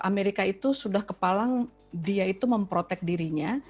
amerika itu sudah kepalang dia itu memprotek dirinya